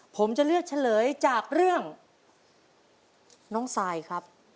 ผมจะเลือกเฉลยจากเรื่องน้องซายครับ